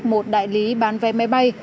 một đại lý bán vé máy bay